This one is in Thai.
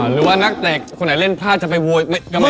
หรือนั่งเตะคุณไหนเล่นพลาดจะไปวัวละก็ไม่ได้